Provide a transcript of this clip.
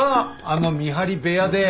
あの見張り部屋で。